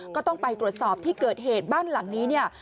ก็ต้องไปตรวจสอบที่เกิดเหตุบ้านหลังนี้เนี่ย